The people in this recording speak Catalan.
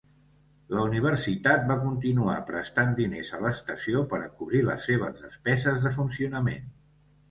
La universitat va continuar prestant diners a l'estació per a cobrir les seves despeses de funcionament.